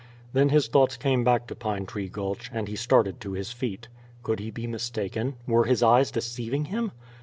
Then his thoughts came back to Pine Tree Gulch, and he started to his feet. Could he be mistaken? Were his eyes deceiving him?